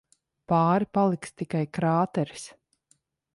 Pāri paliks tikai krāteris.